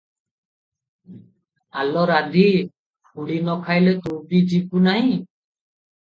ଆଲୋ ରାଧି, ଖୁଡ଼ି ନ ଖାଇଲେ ତୁ ବି ଯିବୁ ନାହିଁ ।"